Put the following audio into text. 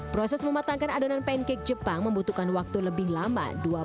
proses mematangkan adonan pancake jepang membutuhkan waktu lebih lama